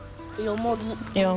よもぎ。